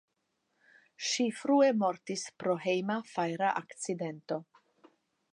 Ŝi frue mortis pro hejma fajra akcidento.